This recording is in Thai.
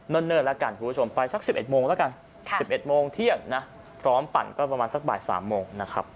เท่านั้นก็มองกันที่แลนด์ก่อนสัก๑๑โมง